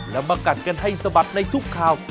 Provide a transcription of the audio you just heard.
แล้วมากัดกันให้สะบัดในทุกข่าว